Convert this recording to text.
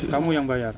kamu yang bayar